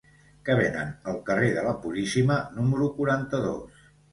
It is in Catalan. Què venen al carrer de la Puríssima número quaranta-dos?